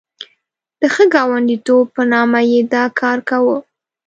د ښه ګاونډیتوب په نامه یې دا کار کاوه.